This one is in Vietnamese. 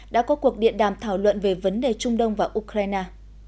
đã có cuộc điện đàm thảo luận về vấn đề trung đông và ukraine